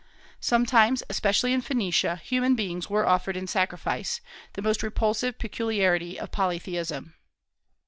Sometimes, especially in Phoenicia, human beings were offered in sacrifice, the most repulsive peculiarity of polytheism.